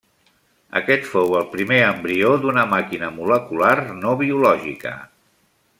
Aquest fou el primer embrió d'una màquina molecular no biològica.